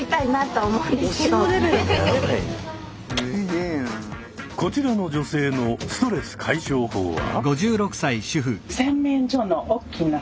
ＹｏｕＴｕｂｅこちらの女性のストレス解消法は？